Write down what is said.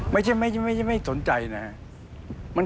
ไม่ใช่ไม่สนใจนะ